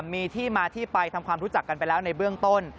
มีที่มาที่ไปทำความรู้จักกันไปแล้วในเบื้องต้น